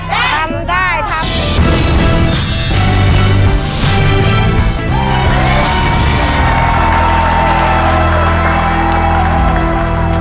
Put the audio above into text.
ทำได้ครับ